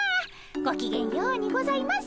ごきげんようにございます。